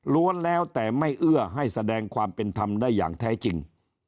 แล้วแต่ไม่เอื้อให้แสดงความเป็นธรรมได้อย่างแท้จริง